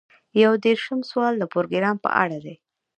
یو دېرشم سوال د پروګرام په اړه دی.